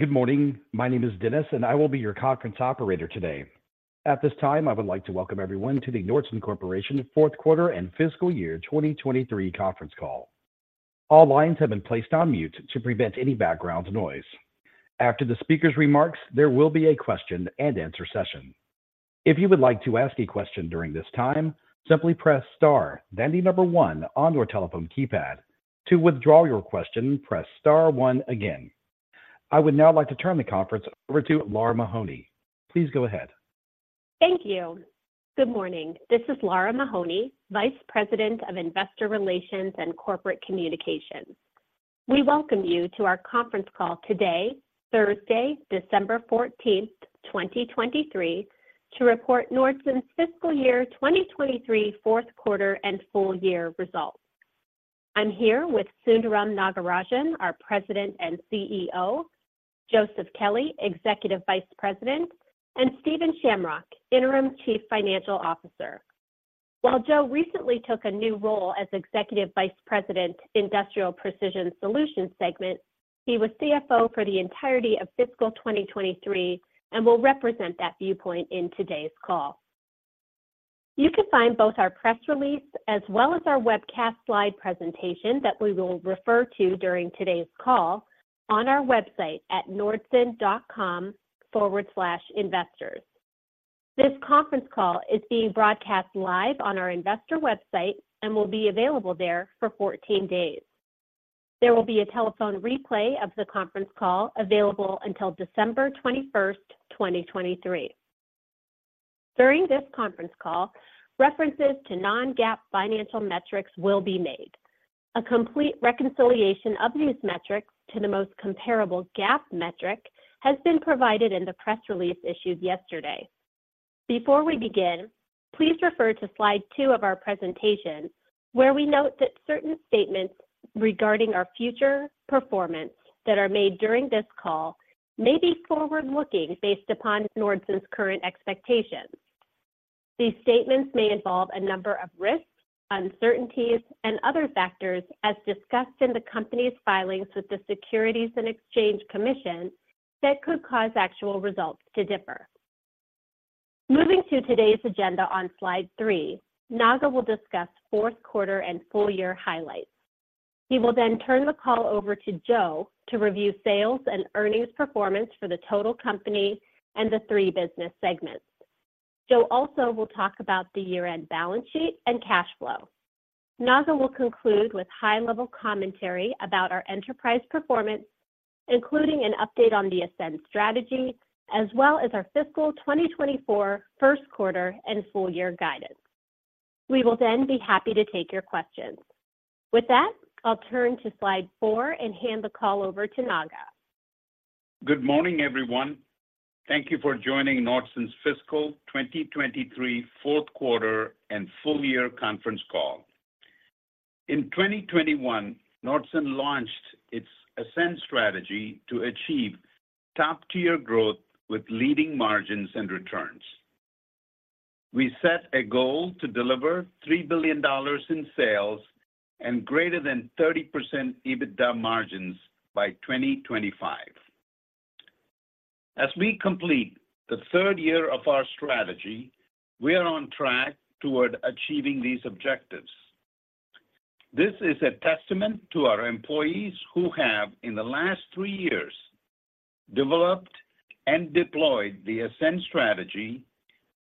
Good morning. My name is Dennis, and I will be your conference operator today. At this time, I would like to welcome everyone to the Nordson Corporation Fourth Quarter and Fiscal Year 2023 Conference Call. All lines have been placed on mute to prevent any background noise. After the speaker's remarks, there will be a question and answer session. If you would like to ask a question during this time, simply press Star, then the number one on your telephone keypad. To withdraw your question, press Star one again. I would now like to turn the conference over to Lara Mahoney. Please go ahead. Thank you. Good morning. This is Lara Mahoney, Vice President of Investor Relations and Corporate Communications. We welcome you to our conference call today, Thursday, December 14th, 2023, to report Nordson's fiscal year 2023, Fourth Quarter, and Full Year Results. I'm here with Sundaram Nagarajan, our President and CEO; Joseph Kelley, Executive Vice President; and Stephen Shamrock, Interim Chief Financial Officer. While Joe recently took a new role as Executive Vice President, Industrial Precision Solutions segment, he was CFO for the entirety of fiscal 2023 and will represent that viewpoint in today's call. You can find both our press release as well as our webcast slide presentation that we will refer to during today's call on our website at nordson.com/investors. This conference call is being broadcast live on our investor website and will be available there for 14 days. There will be a telephone replay of the conference call available until December 21st, 2023. During this conference call, references to non-GAAP financial metrics will be made. A complete reconciliation of these metrics to the most comparable GAAP metric has been provided in the press release issued yesterday. Before we begin, please refer to slide two of our presentation, where we note that certain statements regarding our future performance that are made during this call may be forward-looking, based upon Nordson's current expectations. These statements may involve a number of risks, uncertainties, and other factors, as discussed in the company's filings with the Securities and Exchange Commission, that could cause actual results to differ. Moving to today's agenda on slide three, Naga will discuss fourth quarter and full year highlights. He will then turn the call over to Joe to review sales and earnings performance for the total company and the three business segments. Joe also will talk about the year-end balance sheet and cash flow. Naga will conclude with high-level commentary about our enterprise performance, including an update on the Ascend Strategy, as well as our fiscal 2024 first quarter and full year guidance. We will then be happy to take your questions. With that, I'll turn to slide four and hand the call over to Naga. Good morning, everyone. Thank you for joining Nordson's Fiscal 2023 Fourth Quarter And Full Year Conference Call. In 2021, Nordson launched its Ascend Strategy to achieve top-tier growth with leading margins and returns. We set a goal to deliver $3 billion in sales and greater than 30% EBITDA margins by 2025. As we complete the third year of our strategy, we are on track toward achieving these objectives. This is a testament to our employees, who have, in the last 3 years, developed and deployed the Ascend Strategy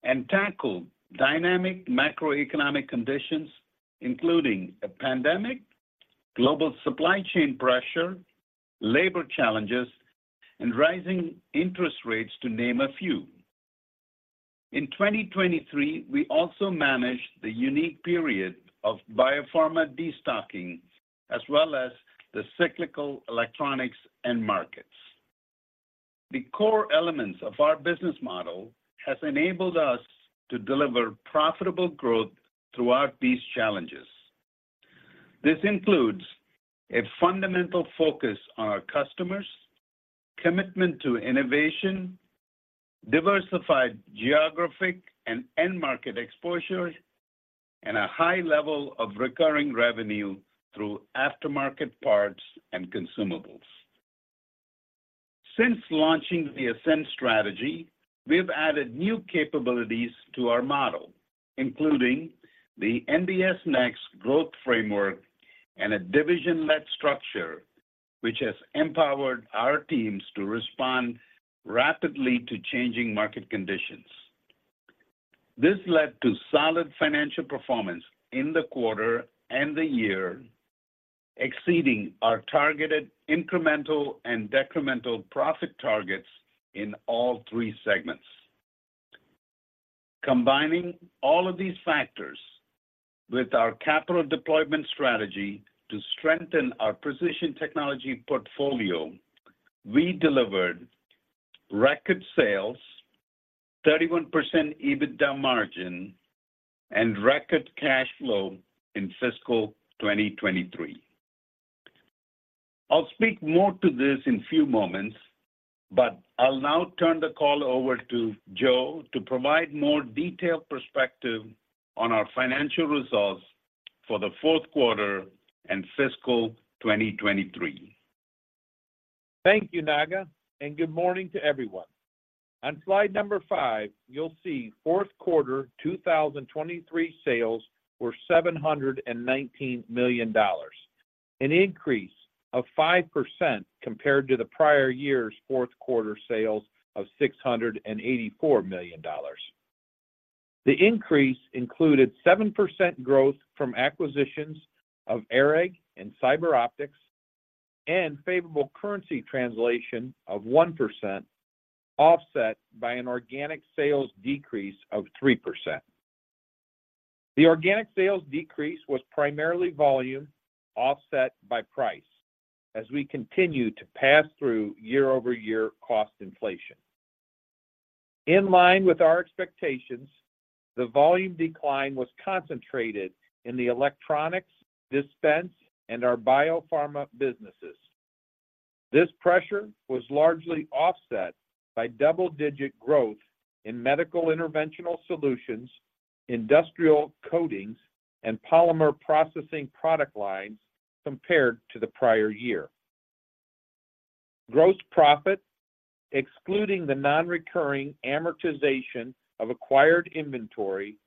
and tackled dynamic macroeconomic conditions, including a pandemic, global supply chain pressure, labor challenges, and rising interest rates, to name a few. In 2023, we also managed the unique period of biopharma destocking, as well as the cyclical electronics end markets. The core elements of our business model has enabled us to deliver profitable growth throughout these challenges. This includes a fundamental focus on our customers, commitment to innovation, diversified geographic and end-market exposure, and a high level of recurring revenue through aftermarket parts and consumables. Since launching the Ascend Strategy, we've added new capabilities to our model, including the NBS Next Growth Framework and a division-led structure, which has empowered our teams to respond rapidly to changing market conditions. This led to solid financial performance in the quarter and the year, exceeding our targeted, incremental, and decremental profit targets in all three segments. Combining all of these factors with our capital deployment strategy to strengthen our precision technology portfolio, we delivered record sales, 31% EBITDA margin, and record cash flow in fiscal 2023. I'll speak more to this in a few moments, but I'll now turn the call over to Joe to provide more detailed perspective on our financial results for the fourth quarter and fiscal 2023. Thank you, Naga, and good morning to everyone. On slide five, you'll see fourth quarter 2023 sales were $719 million, an increase of 5% compared to the prior year's fourth quarter sales of $684 million. The increase included 7% growth from acquisitions of ARAG and CyberOptics, and favorable currency translation of 1%, offset by an organic sales decrease of 3%. The organic sales decrease was primarily volume offset by price as we continue to pass through year-over-year cost inflation. In line with our expectations, the volume decline was concentrated in the electronics, dispense, and our biopharma businesses. This pressure was largely offset by double-digit growth in Medical Interventional Solutions, industrial coatings, and polymer processing product lines compared to the prior year. Gross profit, excluding the non-recurring amortization of acquired inventory,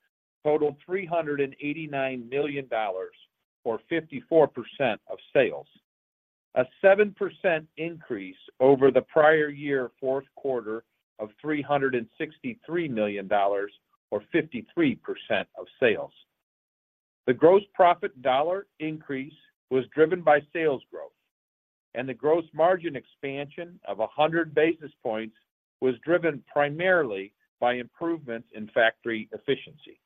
totaled $389 million, or 54% of sales. A 7% increase over the prior year fourth quarter of $363 million, or 53% of sales. The gross profit dollar increase was driven by sales growth, and the gross margin expansion of 100 basis points was driven primarily by improvements in factory efficiency.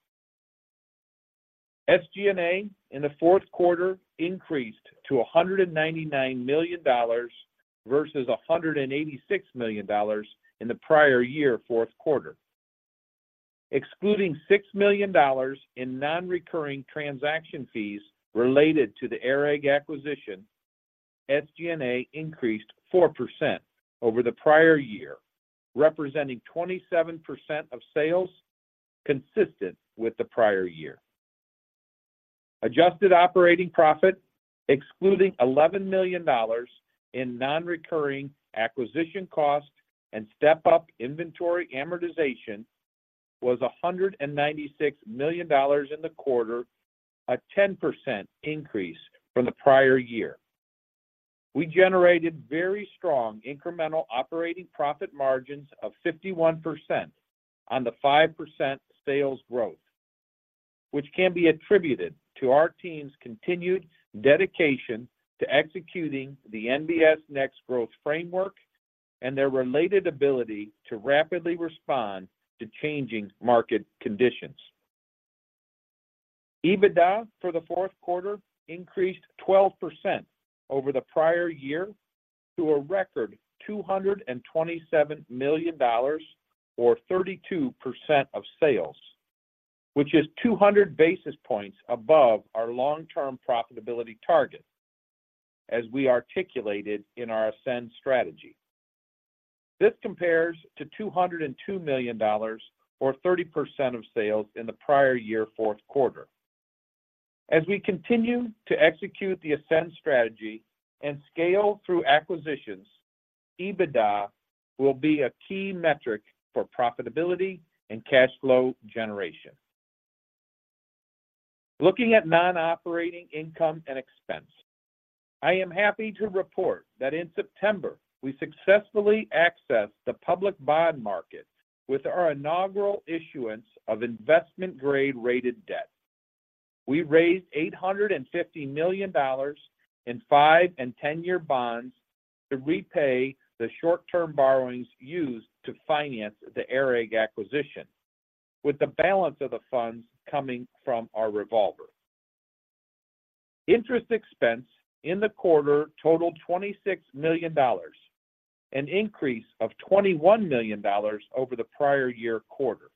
SG&A in the fourth quarter increased to $199 million versus $186 million in the prior year fourth quarter. Excluding $6 million in non-recurring transaction fees related to the ARAG acquisition, SG&A increased 4% over the prior year, representing 27% of sales, consistent with the prior year. Adjusted operating profit, excluding $11 million in non-recurring acquisition costs and step-up inventory amortization, was $196 million in the quarter, a 10% increase from the prior year. We generated very strong incremental operating profit margins of 51% on the 5% sales growth, which can be attributed to our team's continued dedication to executing the NBS Next Growth Framework, and their related ability to rapidly respond to changing market conditions. EBITDA for the fourth quarter increased 12% over the prior year to a record $227 million, or 32% of sales, which is 200 basis points above our long-term profitability target, as we articulated in our Ascend Strategy. This compares to $202 million or 30% of sales in the prior year fourth quarter. As we continue to execute the Ascend Strategy and scale through acquisitions, EBITDA will be a key metric for profitability and cash flow generation. Looking at non-operating income and expense, I am happy to report that in September, we successfully accessed the public bond market with our inaugural issuance of investment grade rated debt. We raised $850 million in five and 10-year bonds to repay the short-term borrowings used to finance the ARAG acquisition, with the balance of the funds coming from our revolver. Interest expense in the quarter totaled $26 million, an increase of $21 million over the prior year quarter.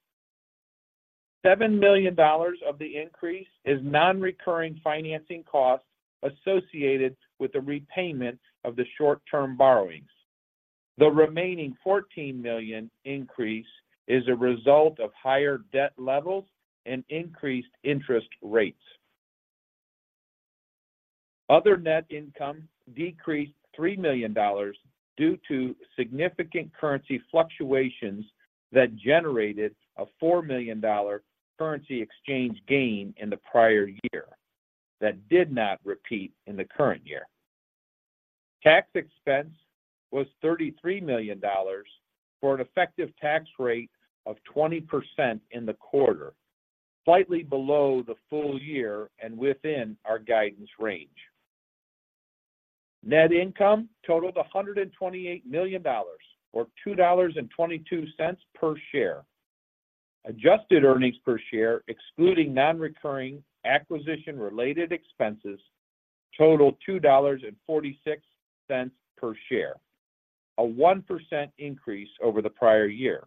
$7 million of the increase is non-recurring financing costs associated with the repayment of the short-term borrowings. The remaining $14 million increase is a result of higher debt levels and increased interest rates. Other net income decreased $3 million due to significant currency fluctuations that generated a $4 million currency exchange gain in the prior year that did not repeat in the current year. Tax expense was $33 million, for an effective tax rate of 20% in the quarter, slightly below the full year and within our guidance range. Net income totaled $128 million, or $2.22 per share. Adjusted earnings per share, excluding non-recurring acquisition-related expenses, totaled $2.46 per share, a 1% increase over the prior year.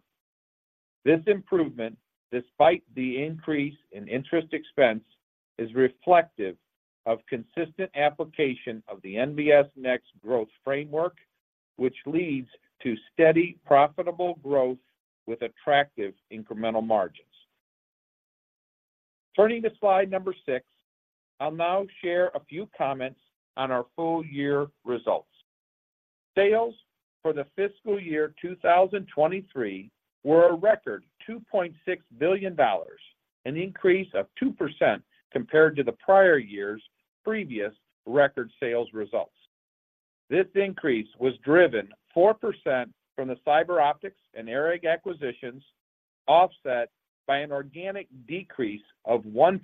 This improvement, despite the increase in interest expense, is reflective of consistent application of the NBS Next Growth Framework, which leads to steady, profitable growth with attractive incremental margins. Turning to slide six, I'll now share a few comments on our full-year results. Sales for the fiscal year 2023 were a record $2.6 billion, an increase of 2% compared to the prior year's previous record sales results. This increase was driven 4% from the CyberOptics and ARAG acquisitions, offset by an organic decrease of 1%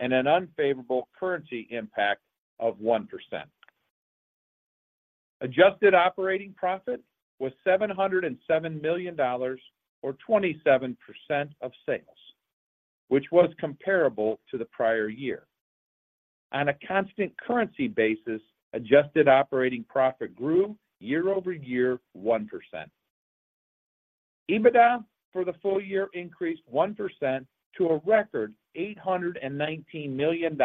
and an unfavorable currency impact of 1%. Adjusted operating profit was $707 million or 27% of sales, which was comparable to the prior year. On a constant currency basis, adjusted operating profit grew year over year, 1%. EBITDA for the full year increased 1% to a record $819 million,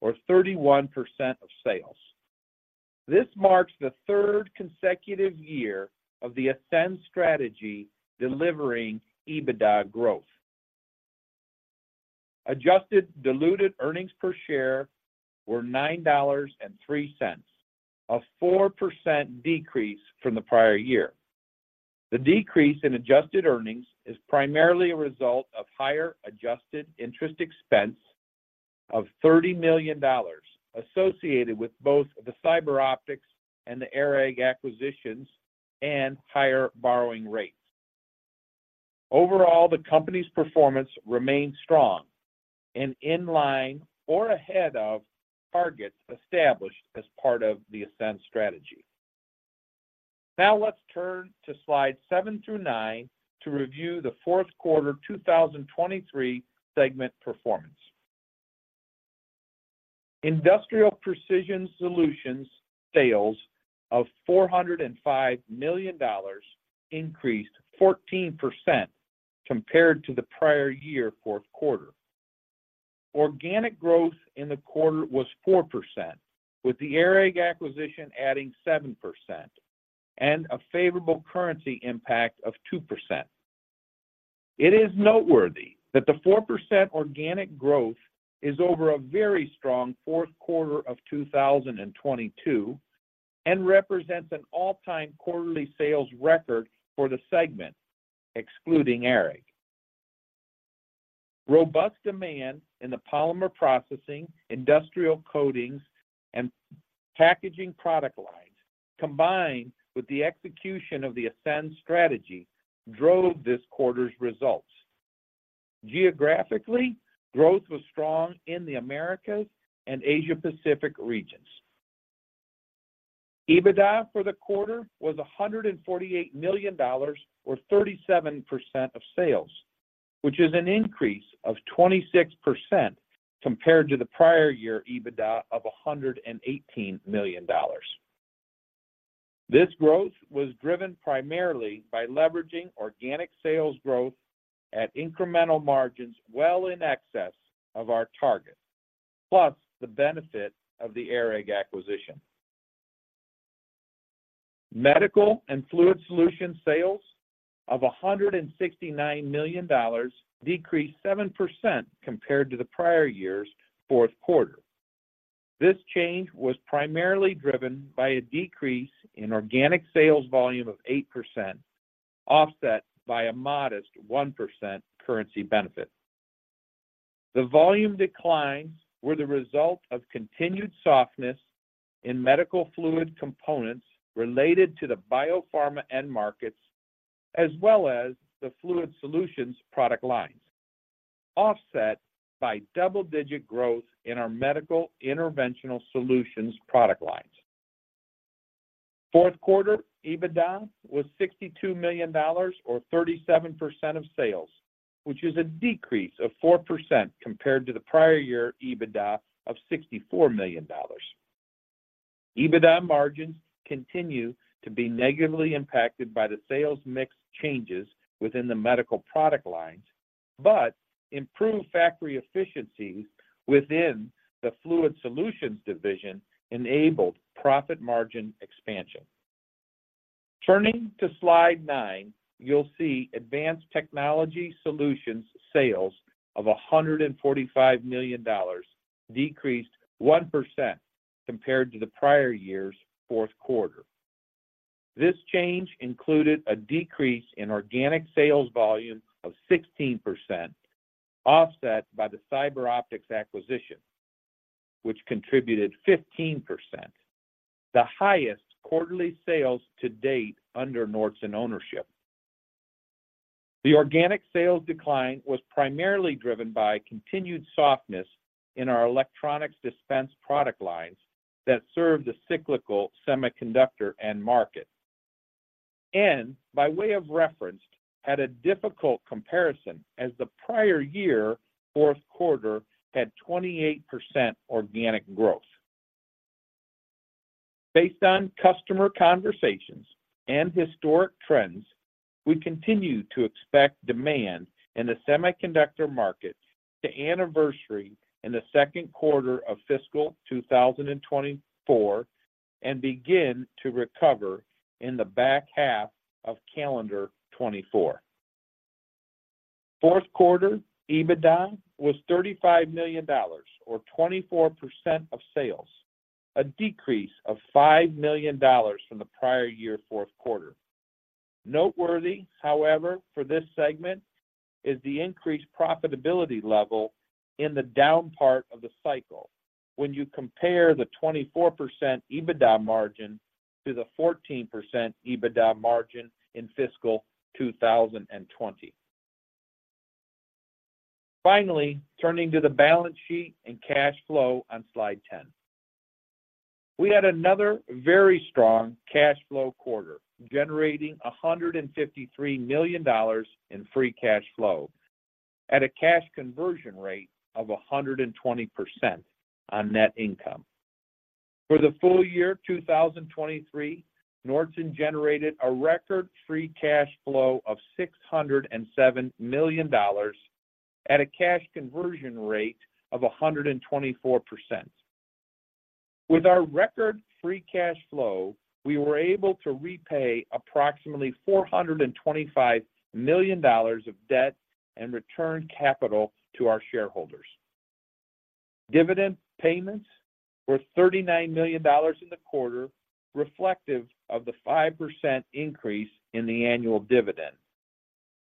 or 31% of sales. This marks the third consecutive year of the Ascend Strategy delivering EBITDA growth. Adjusted diluted earnings per share were $9.03, a 4% decrease from the prior year. The decrease in adjusted earnings is primarily a result of higher adjusted interest expense of $30 million, associated with both the CyberOptics and the ARAG acquisitions and higher borrowing rates. Overall, the company's performance remains strong and in line or ahead of targets established as part of the Ascend Strategy. Now let's turn to slides seven through nine to review the fourth quarter 2023 segment performance. Industrial Precision Solutions sales of $405 million increased 14% compared to the prior year fourth quarter. Organic growth in the quarter was 4%, with the ARAG acquisition adding 7% and a favorable currency impact of 2%. It is noteworthy that the 4% organic growth is over a very strong fourth quarter of 2022 and represents an all-time quarterly sales record for the segment, excluding ARAG. Robust demand in the polymer processing, industrial coatings, and packaging product lines, combined with the execution of the Ascend Strategy, drove this quarter's results. Geographically, growth was strong in the Americas and Asia Pacific regions. EBITDA for the quarter was $148 million, or 37% of sales, which is an increase of 26% compared to the prior year EBITDA of $118 million. This growth was driven primarily by leveraging organic sales growth at incremental margins well in excess of our target, plus the benefit of the ARAG acquisition. Medical and Fluid Solutions sales of $169 million decreased 7% compared to the prior year's fourth quarter. This change was primarily driven by a decrease in organic sales volume of 8%, offset by a modest 1% currency benefit. The volume declines were the result of continued softness in medical fluid components related to the biopharma end markets, as well as the Fluid Solutions product lines, offset by double-digit growth in our medical interventional solutions product lines. Fourth quarter EBITDA was $62 million, or 37% of sales, which is a decrease of 4% compared to the prior year EBITDA of $64 million. EBITDA margins continue to be negatively impacted by the sales mix changes within the medical product lines, but improved factory efficiencies within the Fluid Solutions Division enabled profit margin expansion. Turning to slide nine, you'll see Advanced Technology Solutions sales of $145 million decreased 1% compared to the prior year's fourth quarter. This change included a decrease in organic sales volume of 16%, offset by the CyberOptics acquisition, which contributed 15%, the highest quarterly sales to date under Nordson ownership. The organic sales decline was primarily driven by continued softness in our electronics dispense product lines that serve the cyclical semiconductor end market, and by way of reference, had a difficult comparison as the prior year fourth quarter had 28% organic growth. Based on customer conversations and historic trends, we continue to expect demand in the semiconductor market to anniversary in the second quarter of fiscal 2024, and begin to recover in the back half of calendar 2024. Fourth quarter, EBITDA was $35 million, or 24% of sales, a decrease of $5 million from the prior year fourth quarter. Noteworthy, however, for this segment, is the increased profitability level in the down part of the cycle when you compare the 24% EBITDA margin to the 14% EBITDA margin in fiscal 2020. Finally, turning to the balance sheet and cash flow on slide 10. We had another very strong cash flow quarter, generating $153 million in free cash flow at a cash conversion rate of 120% on net income. For the full year 2023, Nordson generated a record free cash flow of $607 million at a cash conversion rate of 124%. With our record free cash flow, we were able to repay approximately $425 million of debt and return capital to our shareholders. Dividend payments were $39 million in the quarter, reflective of the 5% increase in the annual dividend.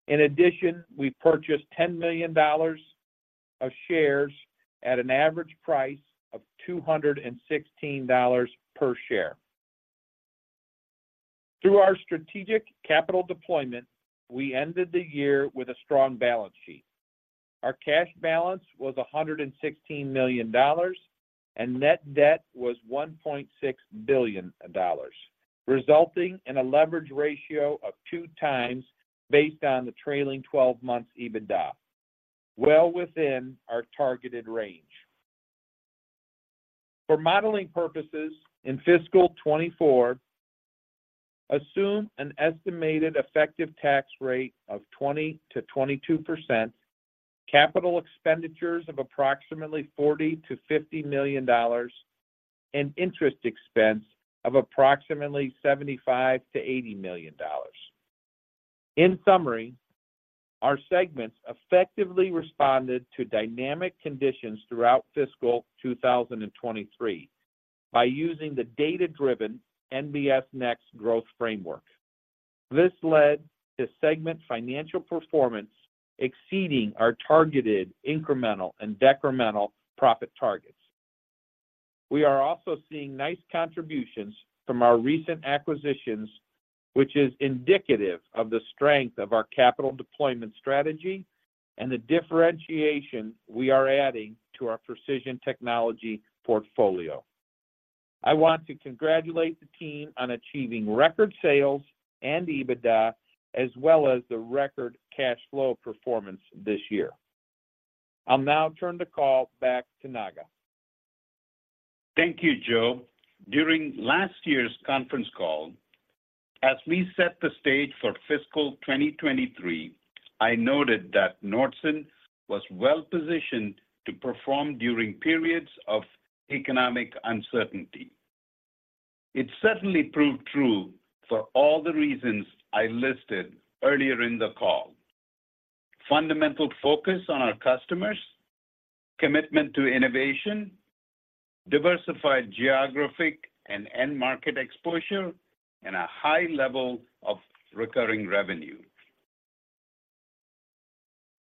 In addition, we purchased $10 million of shares at an average price of $216 per share. Through our strategic capital deployment, we ended the year with a strong balance sheet. Our cash balance was $116 million, and net debt was $1.6 billion, resulting in a leverage ratio of 2x based on the trailing twelve months EBITDA, well within our targeted range. For modeling purposes in fiscal 2024, assume an estimated effective tax rate of 20%-22%, capital expenditures of approximately $40 million-$50 million, and interest expense of approximately $75 million-$80 million. In summary, our segments effectively responded to dynamic conditions throughout fiscal 2023 by using the data-driven NBS Next Growth Framework. This led to segment financial performance exceeding our targeted incremental and decremental profit targets. We are also seeing nice contributions from our recent acquisitions, which is indicative of the strength of our capital deployment strategy and the differentiation we are adding to our precision technology portfolio. I want to congratulate the team on achieving record sales and EBITDA, as well as the record cash flow performance this year. I'll now turn the call back to Naga. Thank you, Joe. During last year's conference call, as we set the stage for fiscal 2023, I noted that Nordson was well-positioned to perform during periods of economic uncertainty. It certainly proved true for all the reasons I listed earlier in the call: fundamental focus on our customers, commitment to innovation, diversified geographic and end market exposure, and a high level of recurring revenue.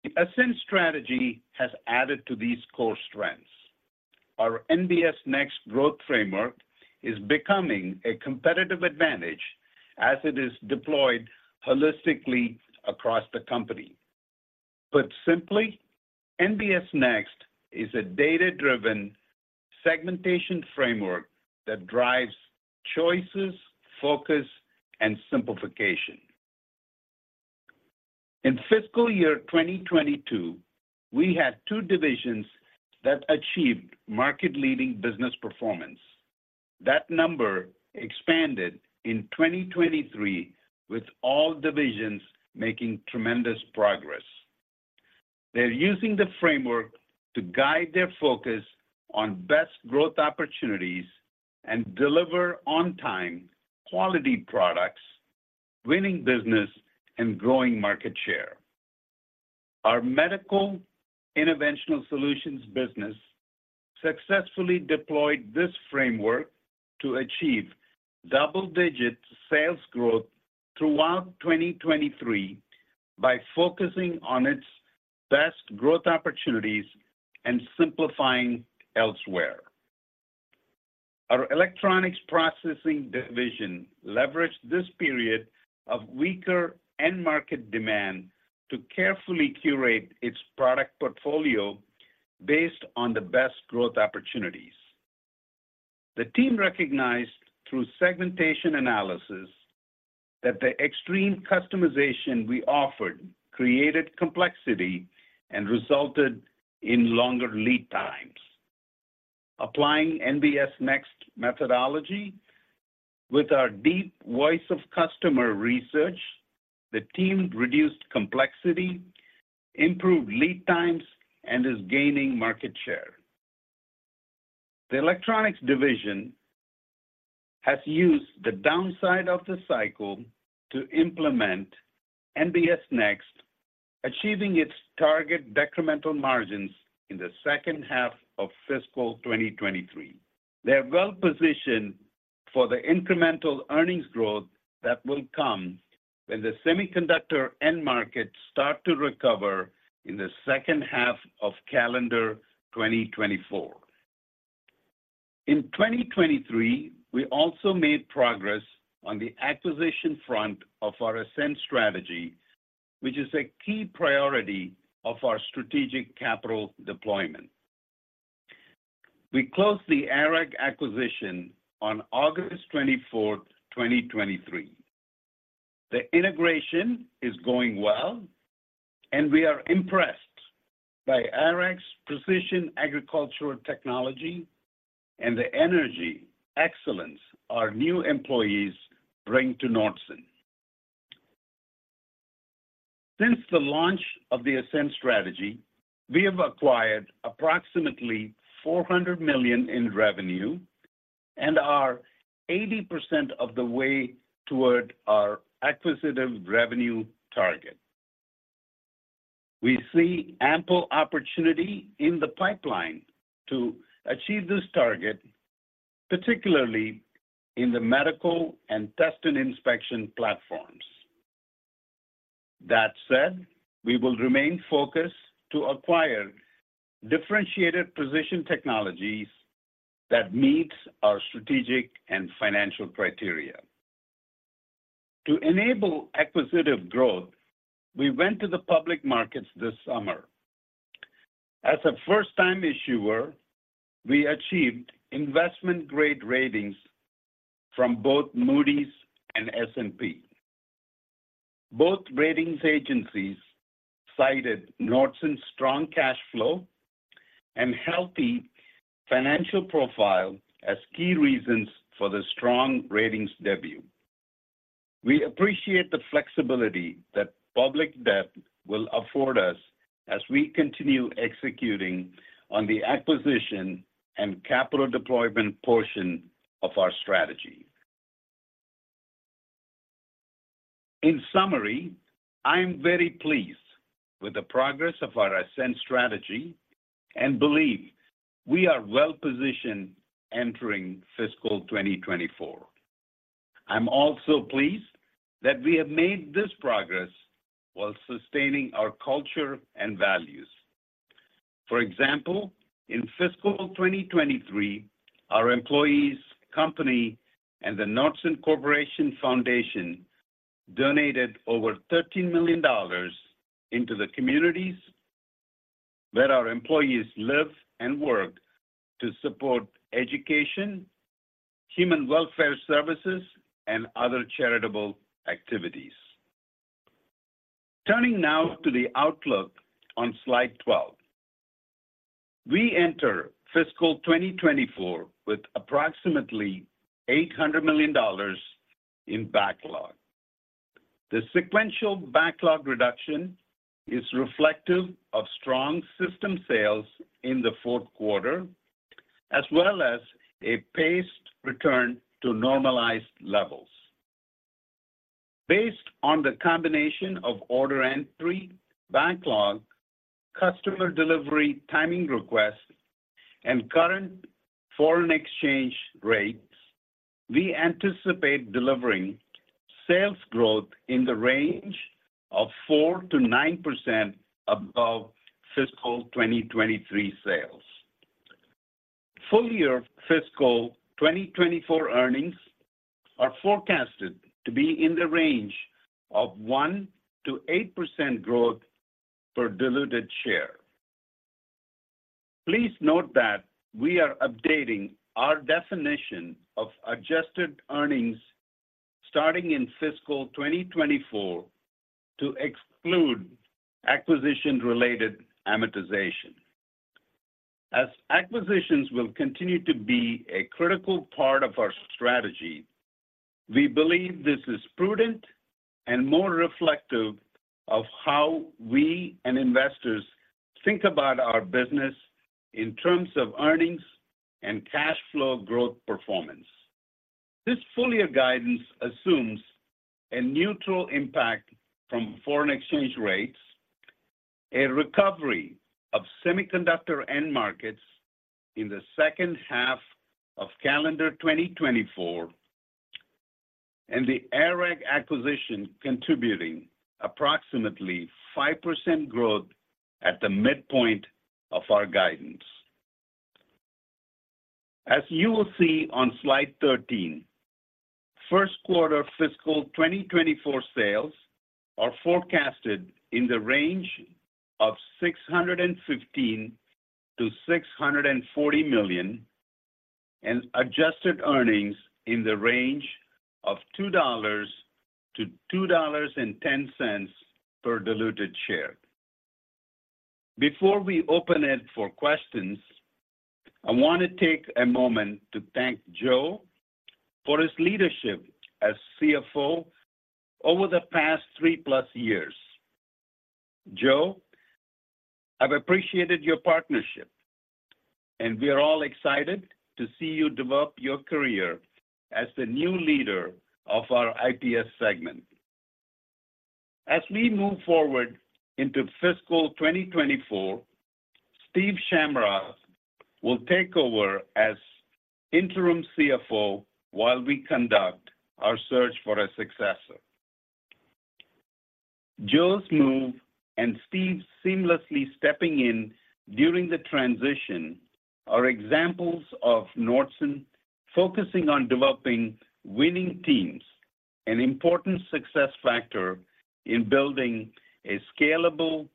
The Ascend Strategy has added to these core strengths. Our NBS Next Growth Framework is becoming a competitive advantage as it is deployed holistically across the company. Put simply, NBS Next is a data-driven segmentation framework that drives choices, focus, and simplification. In fiscal year 2022, we had two divisions that achieved market-leading business performance. That number expanded in 2023, with all divisions making tremendous progress. They're using the framework to guide their focus on best growth opportunities and deliver on-time, quality products, winning business, and growing market share. Our Medical Interventional Solutions business successfully deployed this framework to achieve double-digit sales growth throughout 2023 by focusing on its best growth opportunities and simplifying elsewhere. Our Electronics Processing division leveraged this period of weaker end-market demand to carefully curate its product portfolio based on the best growth opportunities. The team recognized, through segmentation analysis, that the extreme customization we offered created complexity and resulted in longer lead times. Applying NBS Next methodology with our deep voice of customer research, the team reduced complexity, improved lead times, and is gaining market share. The electronics division has used the downside of the cycle to implement NBS Next, achieving its target decremental margins in the second half of fiscal 2023. They are well positioned for the incremental earnings growth that will come when the semiconductor end markets start to recover in the second half of calendar 2024. In 2023, we also made progress on the acquisition front of our Ascend Strategy, which is a key priority of our strategic capital deployment. We closed the ARAG acquisition on August 24th, 2023. The integration is going well, and we are impressed by ARAG's precision agricultural technology and the energy excellence our new employees bring to Nordson. Since the launch of the Ascend Strategy, we have acquired approximately $400 million in revenue and are 80% of the way toward our acquisitive revenue target. We see ample opportunity in the pipeline to achieve this target, particularly in the medical and test and inspection platforms. That said, we will remain focused to acquire differentiated position technologies that meet our strategic and financial criteria. To enable acquisitive growth, we went to the public markets this summer. As a first-time issuer, we achieved investment-grade ratings from both Moody's and S&P. Both ratings agencies cited Nordson's strong cash flow and healthy financial profile as key reasons for the strong ratings debut. We appreciate the flexibility that public debt will afford us as we continue executing on the acquisition and capital deployment portion of our strategy. In summary, I am very pleased with the progress of our Ascend Strategy and believe we are well positioned entering fiscal 2024. I'm also pleased that we have made this progress while sustaining our culture and values. For example, in fiscal 2023, our employees, company, and the Nordson Corporation Foundation donated over $13 million into the communities where our employees live and work to support education, human welfare services, and other charitable activities. Turning now to the outlook on Slide 12. We enter fiscal 2024 with approximately $800 million in backlog. The sequential backlog reduction is reflective of strong system sales in the fourth quarter, as well as a paced return to normalized levels. Based on the combination of order entry, backlog, customer delivery, timing requests, and current foreign exchange rates, we anticipate delivering sales growth in the range of 4%-9% above fiscal 2023 sales. Full-year fiscal 2024 earnings are forecasted to be in the range of 1%-8% growth per diluted share. Please note that we are updating our definition of adjusted earnings starting in fiscal 2024 to exclude acquisition-related amortization. As acquisitions will continue to be a critical part of our strategy, we believe this is prudent and more reflective of how we and investors think about our business in terms of earnings and cash flow growth performance. This full-year guidance assumes a neutral impact from foreign exchange rates, a recovery of semiconductor end markets in the second half of calendar 2024, and the ARAG acquisition contributing approximately 5% growth at the midpoint of our guidance. As you will see on Slide 13, first quarter fiscal 2024 sales are forecasted in the range of $615 million-$640 million, and adjusted earnings in the range of $2-$2.10 per diluted share. Before we open it for questions, I wanna take a moment to thank Joe for his leadership as CFO over the past three-plus years. Joe, I've appreciated your partnership, and we are all excited to see you develop your career as the new leader of our IPS segment. As we move forward into fiscal 2024, Steve Shamrock will take over as interim CFO while we conduct our search for a successor. Joe's move and Steve seamlessly stepping in during the transition are examples of Nordson focusing on developing winning teams, an important success factor in building a scalable,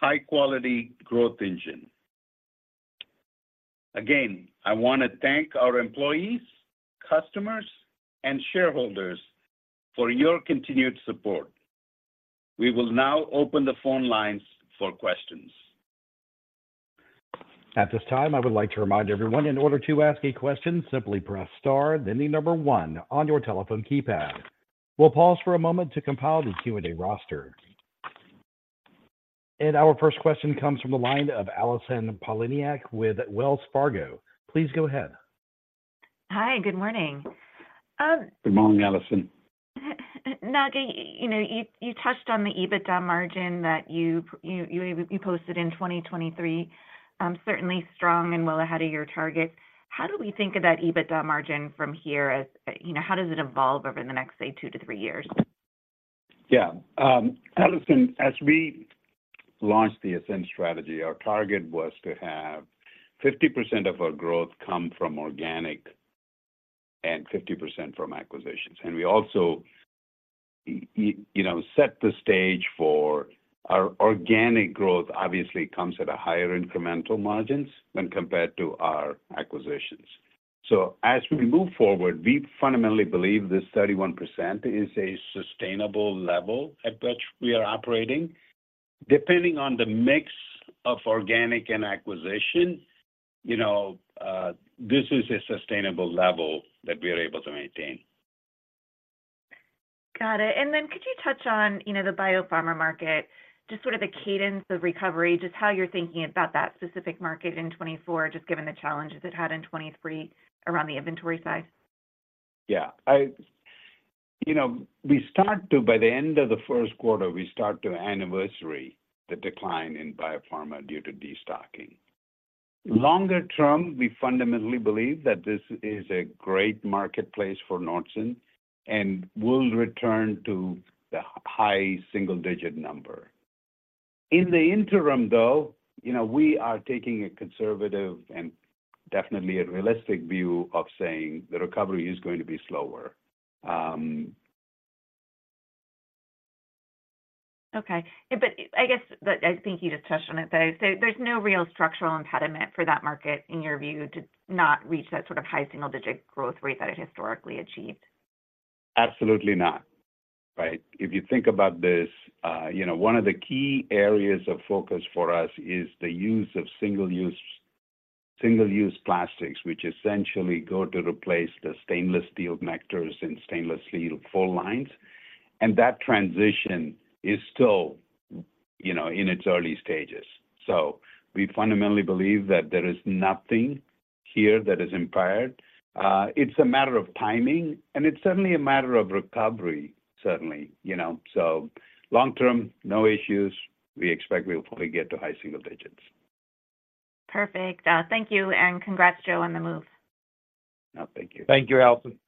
high-quality growth engine. Again, I wanna thank our employees, customers, and shareholders for your continued support. We will now open the phone lines for questions. At this time, I would like to remind everyone, in order to ask a question, simply press star, then the number one on your telephone keypad. We'll pause for a moment to compile the Q&A roster. Our first question comes from the line of Allison Poliniak with Wells Fargo. Please go ahead. Hi, good morning. Good morning, Allison. Naga, you know, you touched on the EBITDA margin that you posted in 2023, certainly strong and well ahead of your target. How do we think of that EBITDA margin from here as, you know, how does it evolve over the next, say, two to three years? Yeah. Allison, as we launched the Ascend strategy, our target was to have 50% of our growth come from organic and 50% from acquisitions. And we also, you know, set the stage for our organic growth, obviously comes at a higher incremental margins when compared to our acquisitions. So as we move forward, we fundamentally believe this 31% is a sustainable level at which we are operating. Depending on the mix of organic and acquisition, you know, this is a sustainable level that we are able to maintain. Got it. And then could you touch on, you know, the biopharma market, just sort of the cadence of recovery, just how you're thinking about that specific market in 2024, just given the challenges it had in 2023 around the inventory side? Yeah. You know, we start to, by the end of the first quarter, we start to anniversary the decline in biopharma due to destocking. Longer term, we fundamentally believe that this is a great marketplace for Nordson and will return to the high single-digit number. In the interim, though, you know, we are taking a conservative and definitely a realistic view of saying the recovery is going to be slower. Okay. I guess, but I think you just touched on it, but I say there's no real structural impediment for that market, in your view, to not reach that sort of high single-digit growth rate that it historically achieved? Absolutely not. Right. If you think about this, you know, one of the key areas of focus for us is the use of single-use, single-use plastics, which essentially go to replace the stainless steel connectors and stainless steel full lines. And that transition is still, you know, in its early stages. So we fundamentally believe that there is nothing here that is impaired. It's a matter of timing, and it's certainly a matter of recovery, certainly, you know. So long term, no issues. We expect we'll probably get to high single digits. Perfect. Thank you, and congrats, Joe, on the move. Oh, thank you. Thank you, Allison.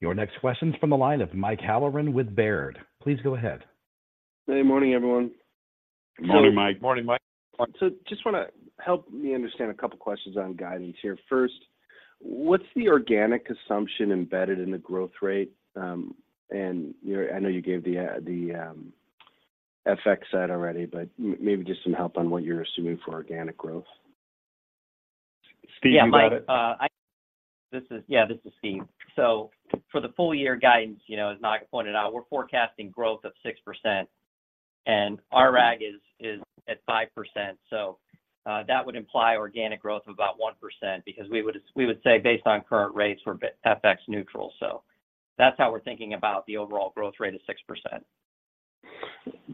Your next question's from the line of Mike Halloran with Baird. Please go ahead. Good morning, everyone. Good morning, Mike. Morning, Mike. Just wanna help me understand a couple of questions on guidance here. First, what's the organic assumption embedded in the growth rate? And you know, I know you gave the FX side already, but maybe just some help on what you're assuming for organic growth. Steve, you got it. Yeah, Mike, this is Steve. So for the full year guidance, you know, as Naga pointed out, we're forecasting growth of 6%, and our ARAG is at 5%, so that would imply organic growth of about 1%, because we would say based on current rates, we're FX neutral. So that's how we're thinking about the overall growth rate of 6%.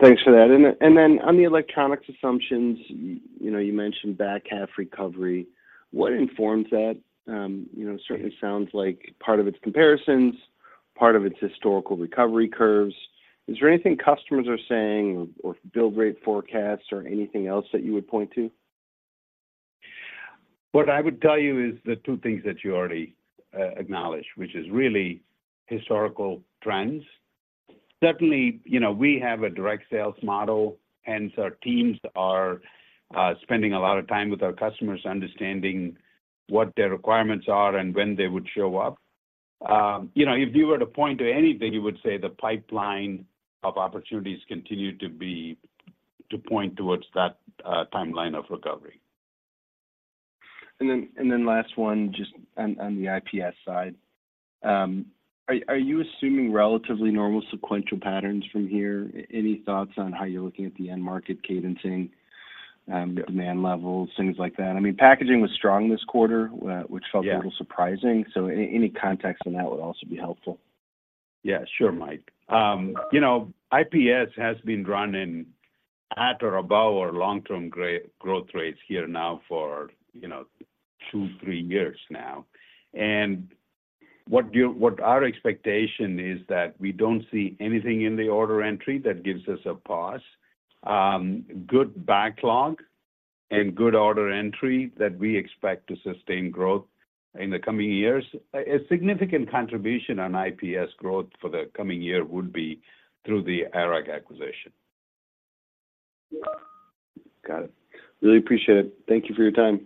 Thanks for that. And then on the electronics assumptions, you know, you mentioned back half recovery. What informs that? You know, certainly sounds like part of its comparisons, part of its historical recovery curves. Is there anything customers are saying or bill rate forecasts or anything else that you would point to? What I would tell you is the two things that you already acknowledged, which is really historical trends. Certainly, you know, we have a direct sales model, hence our teams are spending a lot of time with our customers, understanding what their requirements are and when they would show up. You know, if you were to point to anything, you would say the pipeline of opportunities continue to point towards that timeline of recovery. And then last one, just on the IPS side, are you assuming relatively normal sequential patterns from here? Any thoughts on how you're looking at the end market cadencing, demand levels, things like that? I mean, packaging was strong this quarter, which felt- Yeah... a little surprising, so any context on that would also be helpful. Yeah, sure, Mike. You know, IPS has been running at or above our long-term growth rates here now for, you know, two to three years now. And what our expectation is that we don't see anything in the order entry that gives us a pause. Good backlog and good order entry that we expect to sustain growth in the coming years. A significant contribution on IPS growth for the coming year would be through the ARAG acquisition. Got it. Really appreciate it. Thank you for your time.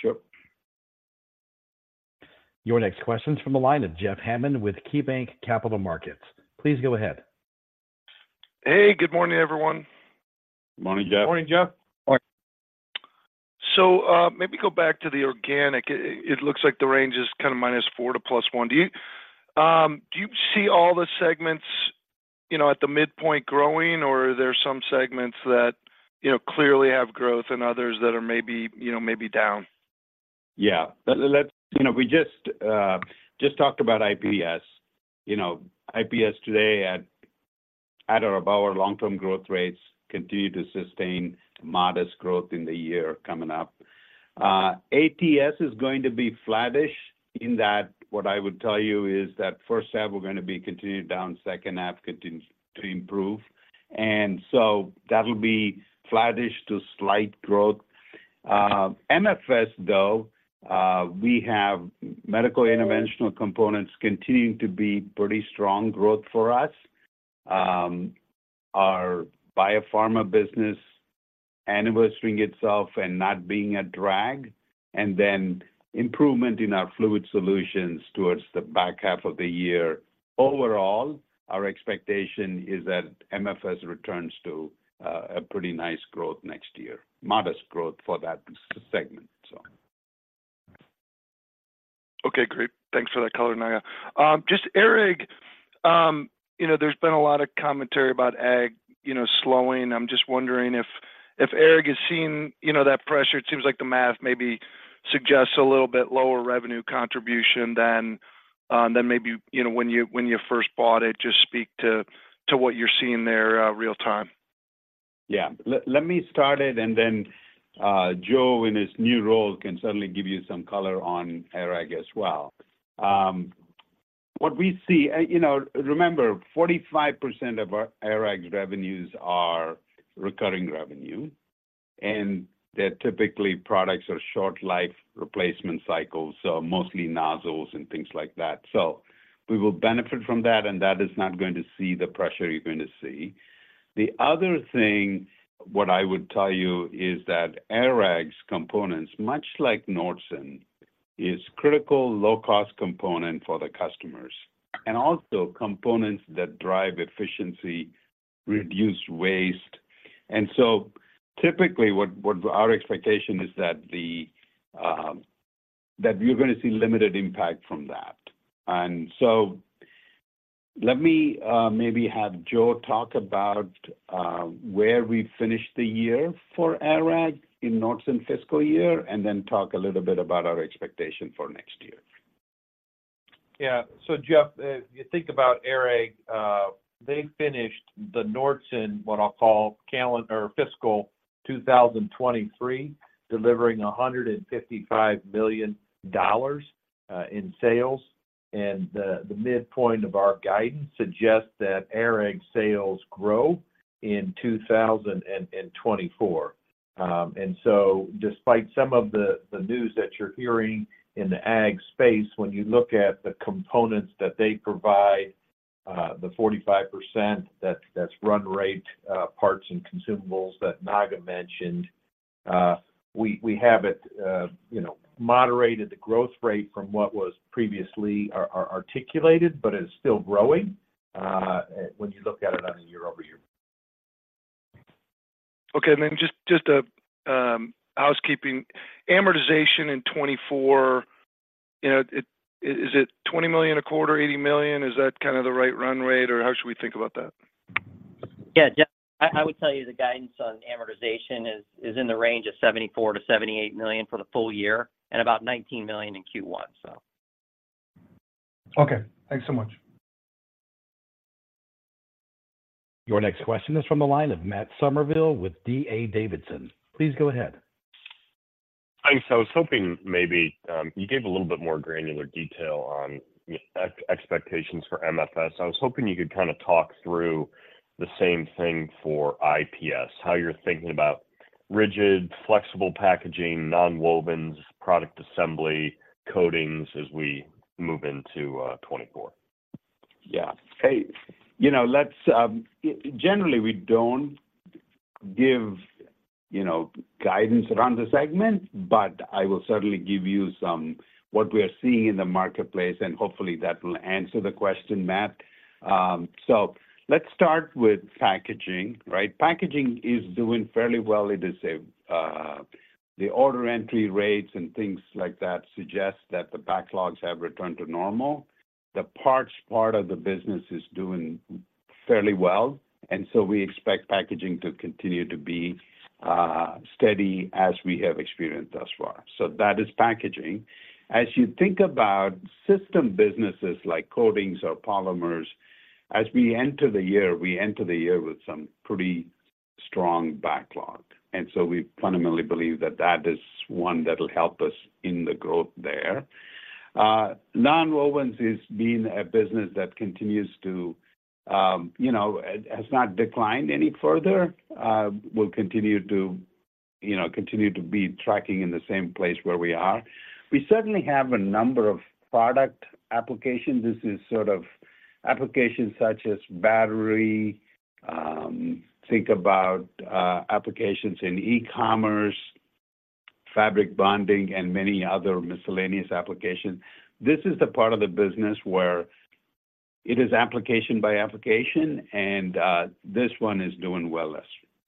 Sure. Your next question's from the line of Jeff Hammond with KeyBanc Capital Markets. Please go ahead. Hey, good morning, everyone. Morning, Jeff. Morning, Jeff. Morning. So, maybe go back to the organic. It looks like the range is kind of -4% to +1%. Do you see all the segments, you know, at the midpoint growing, or are there some segments that, you know, clearly have growth and others that are maybe, you know, maybe down? Yeah. Let's... You know, we just just talked about IPS. You know, IPS today at or above our long-term growth rates continue to sustain modest growth in the year coming up. ATS is going to be flattish, in that what I would tell you is that first half, we're gonna be continued down, second half continue to improve, and so that'll be flattish to slight growth. MFS, though, we have medical interventional components continuing to be pretty strong growth for us. Our biopharma business anniversarying itself and not being a drag, and then improvement in our Fluid Solutions towards the back half of the year. Overall, our expectation is that MFS returns to a pretty nice growth next year. Modest growth for that segment, so. Okay, great. Thanks for that color, Naga. Just ARAG, you know, there's been a lot of commentary about ag, you know, slowing. I'm just wondering if, if ARAG is seeing, you know, that pressure. It seems like the math maybe suggests a little bit lower revenue contribution than, than maybe, you know, when you, when you first bought it. Just speak to, to what you're seeing there, real time. Yeah. Let me start it, and then, Joe, in his new role, can certainly give you some color on ARAG as well. What we see, you know, remember, 45% of our ARAG's revenues are recurring revenue, and they're typically products or short life replacement cycles, so mostly nozzles and things like that. So we will benefit from that, and that is not going to see the pressure you're going to see. The other thing, what I would tell you, is that ARAG's components, much like Nordson, is critical low-cost component for the customers, and also components that drive efficiency, reduce waste. So typically, what our expectation is that the, that we're gonna see limited impact from that. And so let me maybe have Joe talk about where we finished the year for ARAG in Nordson fiscal year, and then talk a little bit about our expectation for next year. Yeah. So Jeff, if you think about ARAG, they finished the Nordson, what I'll call calendar or fiscal 2023, delivering $155 million in sales. And the midpoint of our guidance suggests that ARAG sales grow in 2024. And so despite some of the news that you're hearing in the ag space, when you look at the components that they provide, the 45%, that's run rate parts and consumables that Naga mentioned, we have it, you know, moderated the growth rate from what was previously articulated, but it's still growing, when you look at it on a year-over-year. Okay, and then just a housekeeping. Amortization in 2024, you know, it, is it $20 million a quarter, $80 million? Is that kind of the right run rate, or how should we think about that? Yeah, Jeff, I would tell you the guidance on amortization is in the range of $74 million-$78 million for the full year and about $19 million in Q1, so. Okay. Thanks so much. Your next question is from the line of Matt Summerville with D.A. Davidson. Please go ahead. Thanks. So I was hoping maybe you gave a little bit more granular detail on expectations for MFS. I was hoping you could kind of talk through the same thing for IPS, how you're thinking about rigid, flexible packaging, nonwovens, product assembly, coatings as we move into 2024. Yeah. Hey, you know, let's generally, we don't give you know, guidance around the segment, but I will certainly give you some of what we are seeing in the marketplace, and hopefully, that will answer the question, Matt. So let's start with packaging, right? Packaging is doing fairly well. It is the order entry rates and things like that suggest that the backlogs have returned to normal. The parts part of the business is doing fairly well, and so we expect packaging to continue to be steady as we have experienced thus far. So that is packaging. As you think about system businesses like coatings or polymers, as we enter the year, we enter the year with some pretty strong backlog, and so we fundamentally believe that that is one that will help us in the growth there. Nonwovens has been a business that continues to, you know, has not declined any further. Will continue to, you know, continue to be tracking in the same place where we are. We certainly have a number of product applications. This is sort of applications such as battery, think about, applications in e-commerce, fabric bonding, and many other miscellaneous applications. This is the part of the business where it is application by application, and this one is doing well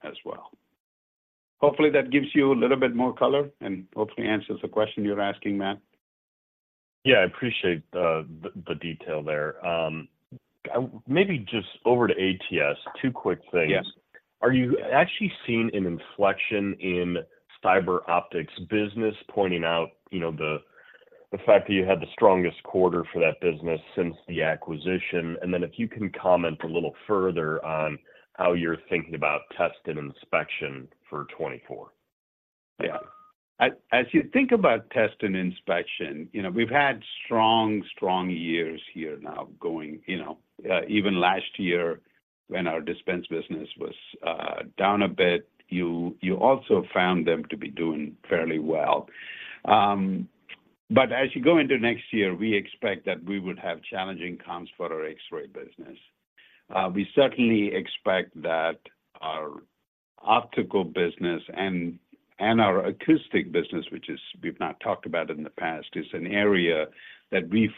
as well. Hopefully, that gives you a little bit more color and hopefully answers the question you're asking, Matt. Yeah, I appreciate the detail there. Maybe just over to ATS, two quick things. Yeah. Are you actually seeing an inflection in CyberOptics business, pointing out, you know, the fact that you had the strongest quarter for that business since the acquisition? And then if you can comment a little further on how you're thinking about test and inspection for 2024. Yeah. As you think about test and inspection, you know, we've had strong, strong years here now going, you know, even last year when our dispense business was down a bit, you also found them to be doing fairly well. But as you go into next year, we expect that we would have challenging comps for our X-ray business. We certainly expect that our optical business and our acoustic business, which we've not talked about in the past, is an area that we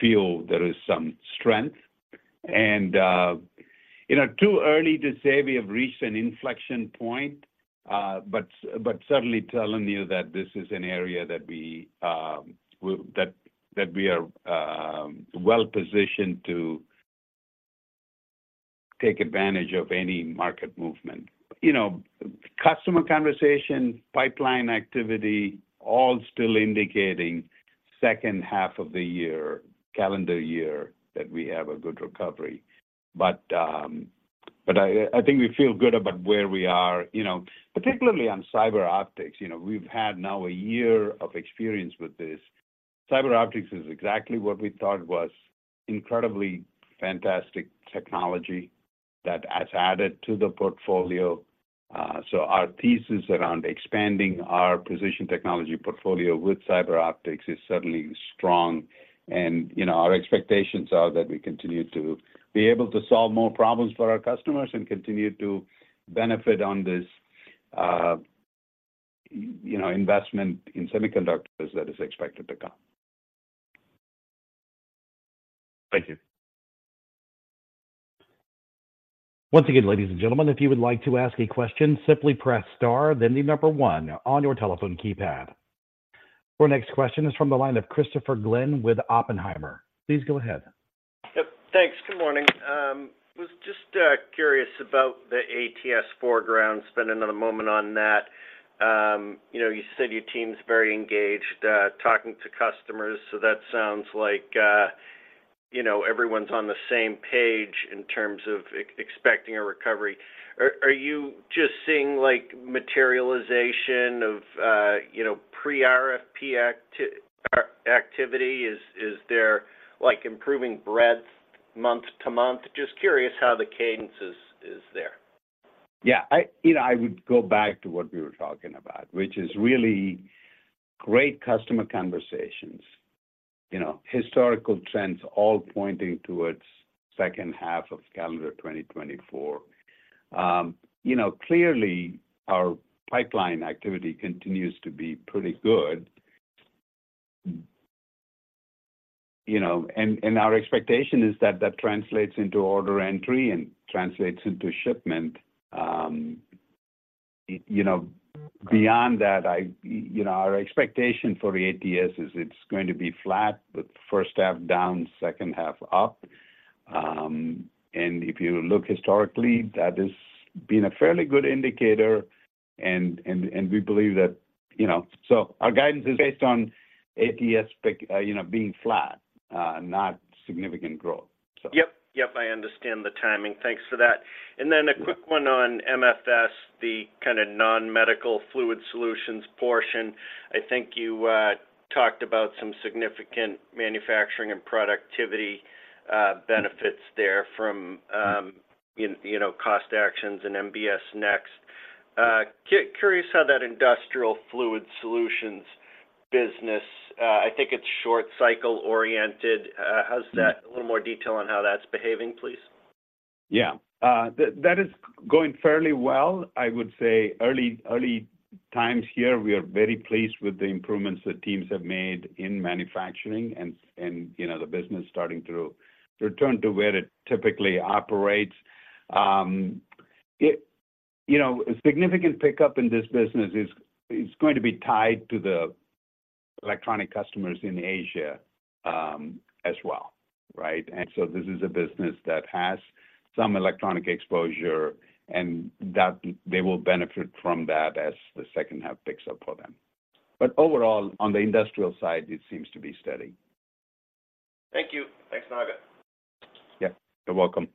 feel there is some strength. And you know, too early to say we have reached an inflection point, but certainly telling you that this is an area that we are well positioned to take advantage of any market movement. You know, customer conversation, pipeline activity, all still indicating second half of the year, calendar year, that we have a good recovery. But, but I think we feel good about where we are, you know, particularly on CyberOptics. You know, we've had now a year of experience with this. CyberOptics is exactly what we thought was incredibly fantastic technology that has added to the portfolio. So our thesis around expanding our position technology portfolio with CyberOptics is certainly strong. And, you know, our expectations are that we continue to be able to solve more problems for our customers and continue to benefit on this, you know, investment in semiconductors that is expected to come. Thank you. Once again, ladies and gentlemen, if you would like to ask a question, simply press Star, then the number one on your telephone keypad. Our next question is from the line of Christopher Glynn with Oppenheimer. Please go ahead. Yep. Thanks. Good morning. Was just curious about the ATS forefront. Spend another moment on that. You know, you said your team's very engaged talking to customers, so that sounds like, you know, everyone's on the same page in terms of expecting a recovery. Are you just seeing, like, materialization of, you know, pre-RFP activity? Is there, like, improving breadth month to month? Just curious how the cadence is. Yeah, I, you know, I would go back to what we were talking about, which is really great customer conversations. You know, historical trends all pointing towards second half of calendar 2024. You know, clearly, our pipeline activity continues to be pretty good. You know, our expectation is that that translates into order entry and translates into shipment. You know, beyond that, I, you know, our expectation for the ATS is it's going to be flat, with first half down, second half up. And if you look historically, that has been a fairly good indicator, and we believe that, you know... So our guidance is based on ATS, you know, being flat, not significant growth, so. Yep. Yep, I understand the timing. Thanks for that. And then a quick one on MFS, the kind of non-medical Fluid Solutions portion. I think you talked about some significant manufacturing and productivity benefits there from, you know, cost actions and NBS Next. Curious how that industrial Fluid Solutions business, I think it's short cycle-oriented. How's that? A little more detail on how that's behaving, please. Yeah. That is going fairly well. I would say early times here, we are very pleased with the improvements that teams have made in manufacturing and, you know, the business starting to return to where it typically operates. You know, a significant pickup in this business is going to be tied to the electronic customers in Asia, as well, right? And so this is a business that has some electronic exposure, and that they will benefit from that as the second half picks up for them. But overall, on the industrial side, it seems to be steady. Thank you. Thanks, Naga. Yeah, you're welcome.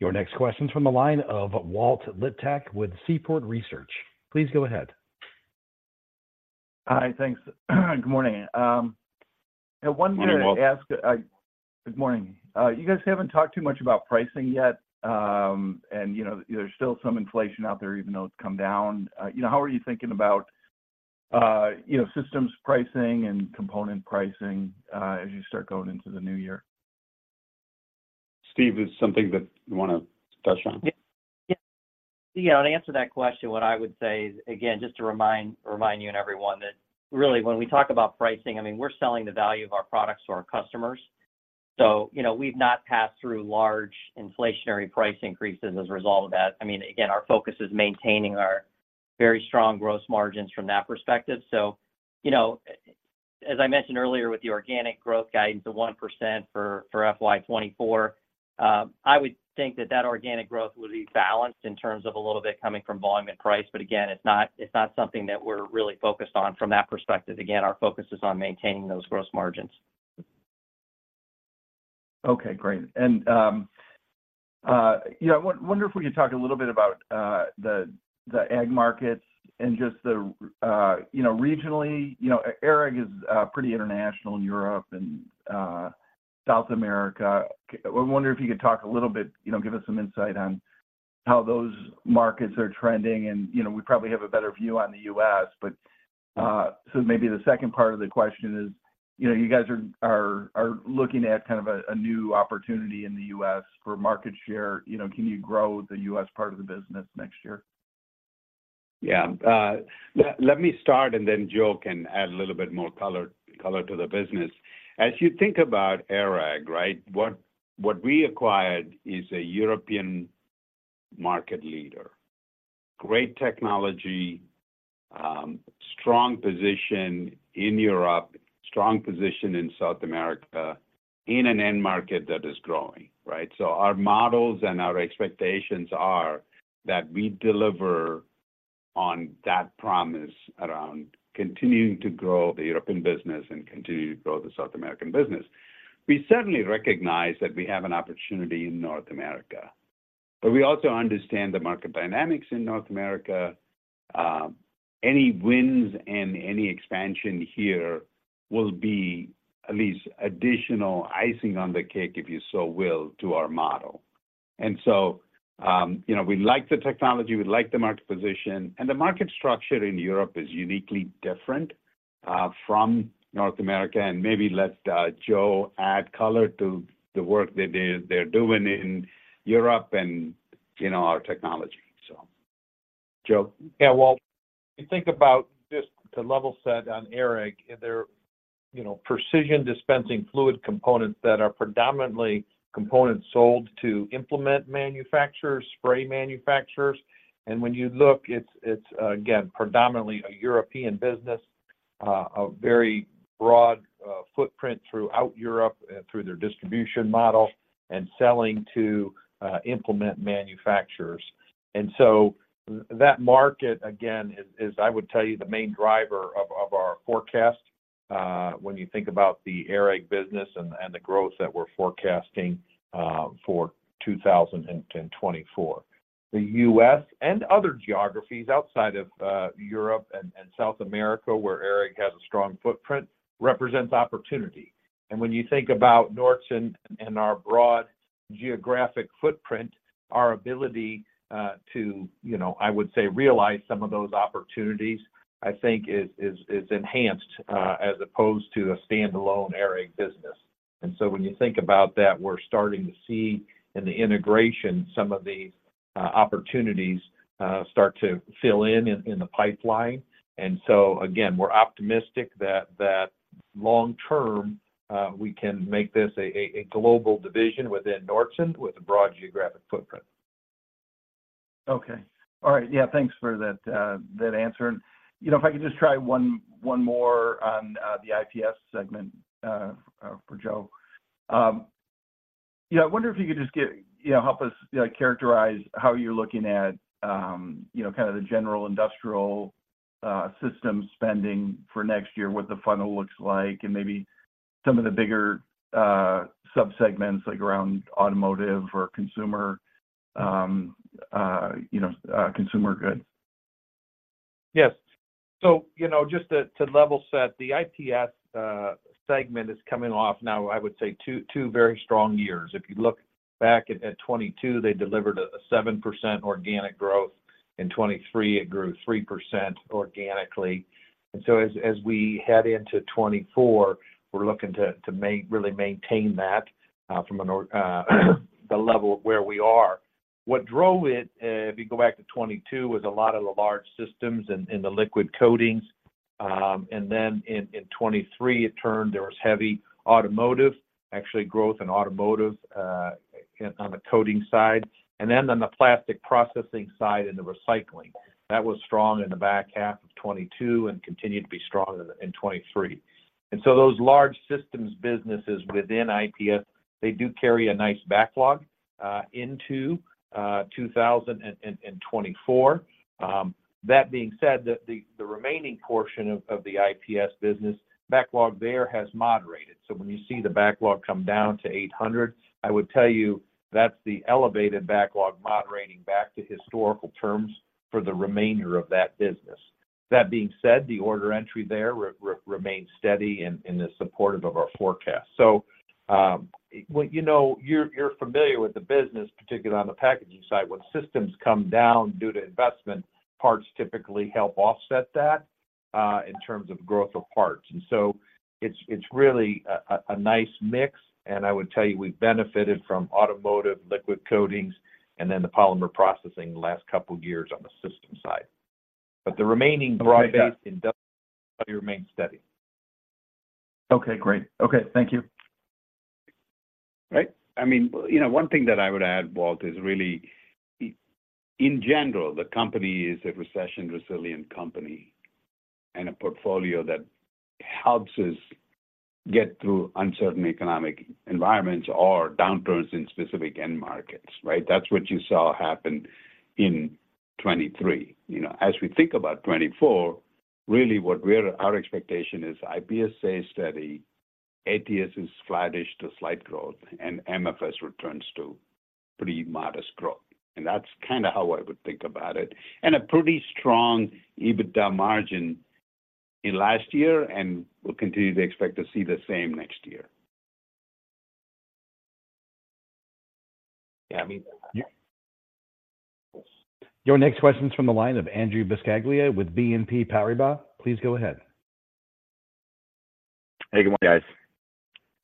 Your next question's from the line of Walt Liptak with Seaport Research. Please go ahead. Hi, thanks. Good morning. I wanted to ask- Good morning, Walt. Good morning. You guys haven't talked too much about pricing yet, and you know, there's still some inflation out there, even though it's come down. You know, how are you thinking about, you know, systems pricing and component pricing, as you start going into the new year? Steve, is something that you wanna touch on? Yeah. Yeah, you know, to answer that question, what I would say is, again, just to remind, remind you and everyone that really when we talk about pricing, I mean, we're selling the value of our products to our customers. So, you know, we've not passed through large inflationary price increases as a result of that. I mean, again, our focus is maintaining our very strong gross margins from that perspective. So, you know, as I mentioned earlier, with the organic growth guidance of 1% for FY 2024, I would think that that organic growth would be balanced in terms of a little bit coming from volume and price. But again, it's not, it's not something that we're really focused on from that perspective. Again, our focus is on maintaining those gross margins. Okay, great. You know, I wonder if we could talk a little bit about the ag markets and just the, you know, regionally. You know, ARAG is pretty international in Europe and South America. I wonder if you could talk a little bit, you know, give us some insight on how those markets are trending. And, you know, we probably have a better view on the US, but so maybe the second part of the question is, you know, you guys are looking at kind of a new opportunity in the US for market share. You know, can you grow the US part of the business next year? Yeah. Let me start, and then Joe can add a little bit more color to the business. As you think about ARAG, right? What we acquired is a European market leader, great technology, strong position in Europe, strong position in South America, in an end market that is growing, right? So our models and our expectations are that we deliver on that promise around continuing to grow the European business and continue to grow the South American business. We certainly recognize that we have an opportunity in North America, but we also understand the market dynamics in North America. Any wins and any expansion here will be at least additional icing on the cake, if you so will, to our model. You know, we like the technology, we like the market position, and the market structure in Europe is uniquely different from North America. Maybe let Joe add color to the work that they're doing in Europe and, you know, our technology. So, Joe? Yeah, Walt, you think about just to level set on ARAG, and they're, you know, precision dispensing fluid components that are predominantly components sold to implement manufacturers, spray manufacturers. And when you look, it's again, predominantly a European business, a very broad footprint throughout Europe and through their distribution model and selling to implement manufacturers. And so that market, again, is I would tell you, the main driver of our forecast when you think about the ARAG business and the growth that we're forecasting for 2024. The U.S. and other geographies outside of Europe and South America, where ARAG has a strong footprint, represents opportunity. When you think about Nordson and our broad geographic footprint, our ability, to, you know, I would say, realize some of those opportunities, I think is enhanced, as opposed to a standalone ARAG business. So when you think about that, we're starting to see in the integration, some of these, opportunities, start to fill in, in the pipeline. So again, we're optimistic that long term, we can make this a global division within Nordson with a broad geographic footprint. Okay. All right. Yeah, thanks for that, that answer. You know, if I could just try one more on, the IPS segment, for Joe. Yeah, I wonder if you could just give—you know, help us, characterize how you're looking at, you know, kind of the general industrial, system spending for next year, what the funnel looks like, and maybe some of the bigger, subsegments, like around automotive or consumer, you know, consumer goods. Yes. So, you know, just to level set, the IPS segment is coming off now, I would say two very strong years. If you look back in, at 2022, they delivered a 7% organic growth. In 2023, it grew 3% organically. And so as we head into 2024, we're looking to really maintain that from an org the level of where we are. What drove it, if you go back to 2022, was a lot of the large systems and the liquid coatings. And then in 2023, it turned there was heavy automotive, actually growth in automotive on the coating side, and then on the plastic processing side and the recycling. That was strong in the back half of 2022 and continued to be strong in 2023. And so those large systems businesses within IPS, they do carry a nice backlog into 2024. That being said, the remaining portion of the IPS business, backlog there has moderated. So when you see the backlog come down to $800, I would tell you that's the elevated backlog moderating back to historical terms for the remainder of that business. That being said, the order entry there remains steady and is supportive of our forecast. So, well, you know, you're familiar with the business, particularly on the packaging side. When systems come down due to investment, parts typically help offset that in terms of growth of parts. And so it's really a nice mix, and I would tell you we've benefited from automotive liquid coatings and then the polymer processing the last couple of years on the system side. But the remaining-... remains steady. Okay, great. Okay, thank you. Right. I mean, you know, one thing that I would add, Walt, is really, in general, the company is a recession-resilient company and a portfolio that helps us get through uncertain economic environments or downturns in specific end markets, right? That's what you saw happen in 2023. You know, as we think about 2024, really our expectation is IPS stays steady, ATS is flattish to slight growth, and MFS returns to pretty modest growth. That's kind of how I would think about it. A pretty strong EBITDA margin in last year, and we'll continue to expect to see the same next year. Yeah, I mean, yeah. Your next question is from the line of Andrew Buscaglia with BNP Paribas. Please go ahead. Hey, good morning, guys.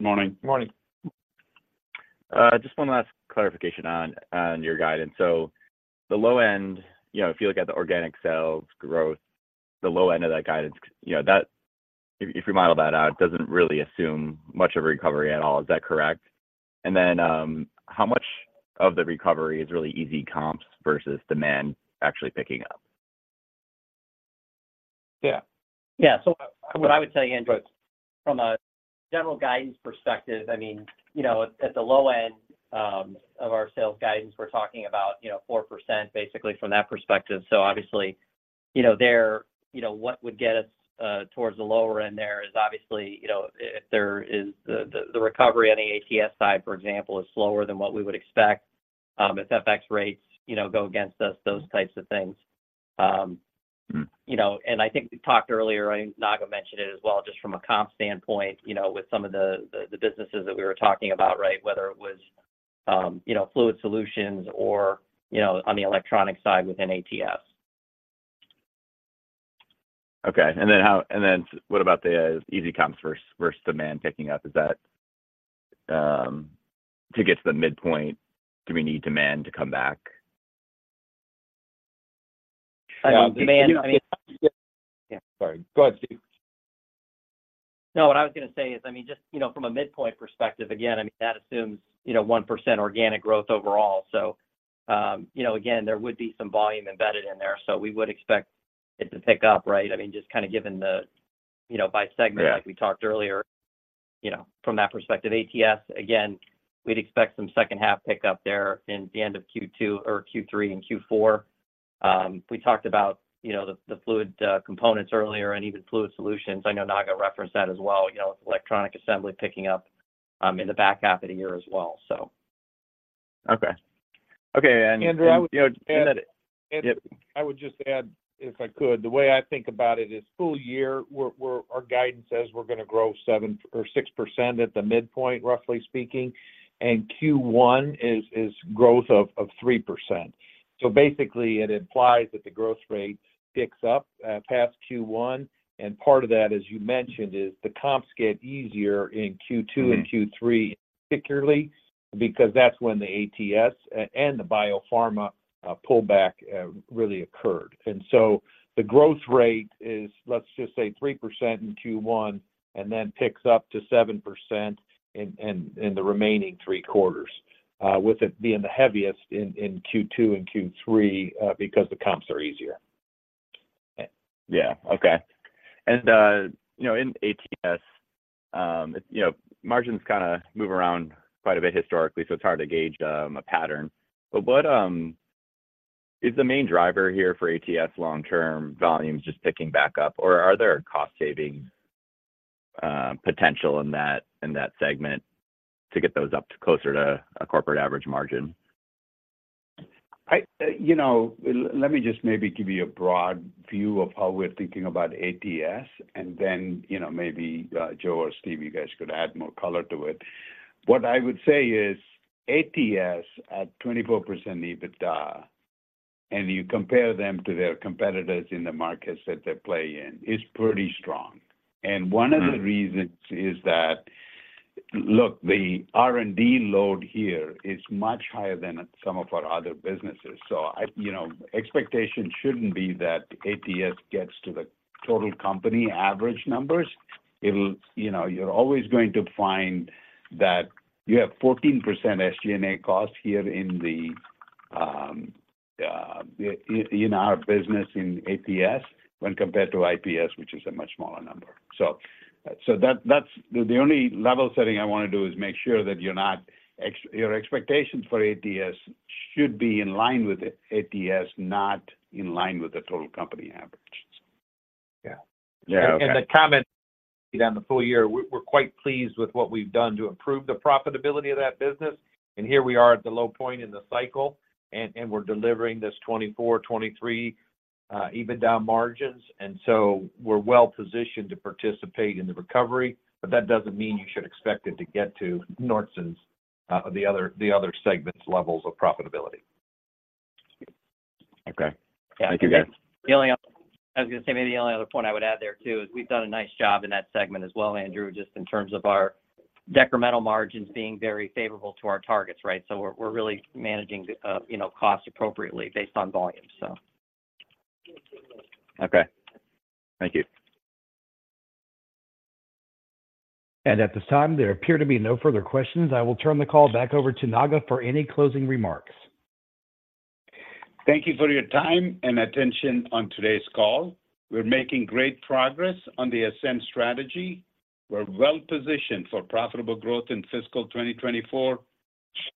Morning. Morning. Just one last clarification on, on your guidance. So the low end, you know, if you look at the organic sales growth, the low end of that guidance, you know, that, if we model that out, it doesn't really assume much of a recovery at all. Is that correct? And then, how much of the recovery is really easy comps versus demand actually picking up? Yeah. Yeah. So what I would tell you, Andrew, from a general guidance perspective, I mean, you know, at the low end of our sales guidance, we're talking about, you know, 4%, basically, from that perspective. So obviously, you know, there, you know, what would get us towards the lower end there is obviously, you know, if there is the recovery on the ATS side, for example, is slower than what we would expect, if FX rates, you know, go against us, those types of things. Mm-hmm ... you know, and I think we talked earlier, I know Naga mentioned it as well, just from a comp standpoint, you know, with some of the businesses that we were talking about, right? Whether it was, you know, Fluid Solutions or, you know, on the electronic side within ATS. Okay. And then what about the easy comps versus demand picking up? Is that to get to the midpoint, do we need demand to come back? I mean, demand, I mean- Yeah, sorry. Go ahead, Steve. No, what I was going to say is, I mean, just, you know, from a midpoint perspective, again, I mean, that assumes, you know, 1% organic growth overall. So, you know, again, there would be some volume embedded in there. So we would expect it to pick up, right? I mean, just kind of given the, you know, by segment- Yeah... like we talked earlier, you know, from that perspective, ATS, again, we'd expect some second half pick up there in the end of Q2 or Q3 and Q4. We talked about, you know, the fluid components earlier and even Fluid Solutions. I know Naga referenced that as well, you know, with electronic assembly picking up in the back half of the year as well, so. Okay, you know, and then, yep- I would just add, if I could, the way I think about it is full year, we're our guidance says we're going to grow 7% or 6% at the midpoint, roughly speaking, and Q1 is growth of 3%. So basically, it implies that the growth rate picks up past Q1, and part of that, as you mentioned, is the comps get easier in Q2- Mm-hmm... and Q3, particularly, because that's when the ATS and the biopharma pullback really occurred. And so the growth rate is, let's just say, 3% in Q1, and then picks up to 7% in the remaining three quarters, with it being the heaviest in Q2 and Q3, because the comps are easier. Yeah, okay. And, you know, in ATS, you know, margins kind of move around quite a bit historically, so it's hard to gauge a pattern. But what is the main driver here for ATS long-term volumes just picking back up, or are there cost savings potential in that, in that segment to get those up to closer to a corporate average margin?... I, you know, let me just maybe give you a broad view of how we're thinking about ATS, and then, you know, maybe, Joe or Steve, you guys could add more color to it. What I would say is ATS, at 24% EBITDA, and you compare them to their competitors in the markets that they play in, is pretty strong. And one of the reasons is that, look, the R&D load here is much higher than at some of our other businesses. So I, you know, expectations shouldn't be that ATS gets to the total company average numbers. It'll, you know, you're always going to find that you have 14% SG&A costs here in the, in our business in ATS when compared to IPS, which is a much smaller number. So, that's the only level setting I want to do, is make sure that your expectations for ATS should be in line with ATS, not in line with the total company average. Yeah. Yeah, okay. The comment on the full year, we're quite pleased with what we've done to improve the profitability of that business. Here we are at the low point in the cycle, and we're delivering this 24, 23% EBITDA margins. So we're well positioned to participate in the recovery, but that doesn't mean you should expect it to get to Nordson's, the other segments' levels of profitability. Okay. Thank you, guys. The only other, I was gonna say, maybe the only other point I would add there, too, is we've done a nice job in that segment as well, Andrew, just in terms of our decremental margins being very favorable to our targets, right? So we're really managing, you know, costs appropriately based on volume, so. Okay. Thank you. At this time, there appear to be no further questions. I will turn the call back over to Naga for any closing remarks. Thank you for your time and attention on today's call. We're making great progress on the Ascend Strategy. We're well positioned for profitable growth in fiscal 2024.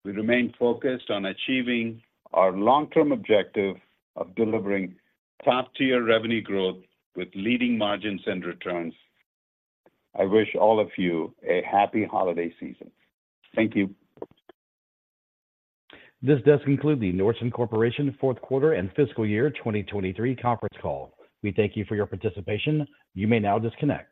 We remain focused on achieving our long-term objective of delivering top-tier revenue growth with leading margins and returns. I wish all of you a happy holiday season. Thank you. This does conclude the Nordson Corporation Fourth Quarter And Fiscal Year 2023 Conference Call. We thank you for your participation. You may now disconnect.